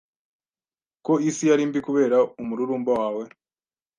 Ko isi ari mbi kubera umururumba wawe